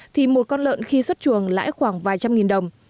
thì một con lợn khi xuất chuồng lãi khoảng vài trăm nghìn đồng